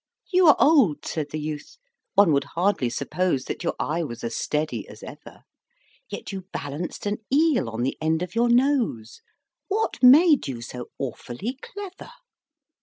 "You are old," said the youth, "one would hardly suppose That your eye was as steady as ever; Yet you balanced an eel on the end of your nose What made you so awfully clever?"